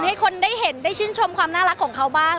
ให้คนได้เห็นได้ชื่นชมความน่ารักของเขาบ้าง